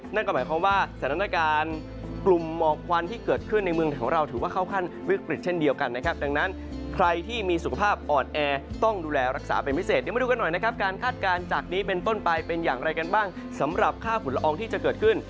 นั่นก็หมายความว่าสถานการณ์กลุ่มหมอกควันที่เกิดขึ้นในเมืองของเราถือว่าเข้าขั้นวิกฤตเช่นเดียวกันนะครับดังนั้นใครที่มีสุขภาพอ่อนแอต้องดูแลรักษาเป็นพิเศษเดี๋ยวมาดูกันหน่อยนะครับการคาดการณ์จากนี้เป็นต้นไปเป็นอย่างไรกันบ้างสำหรับค่าฝุ่นละอองที่จะเกิดขึ้น